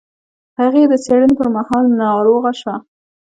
هغې د څېړنې پر مهال ناروغه شوه.